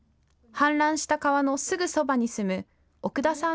氾濫した川のすぐそばに住む奥田さん